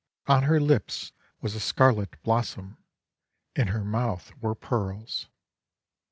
On her lips was a scarlet blossom, in her mouth were Pearls.